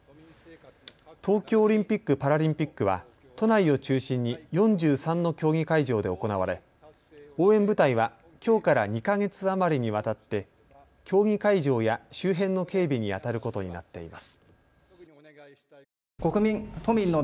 東京オリンピック・パラリンピックは都内を中心に４３の競技会場で行われ応援部隊は、きょうから２か月余りにわたって競技会場や周辺の警備にあたることになっています。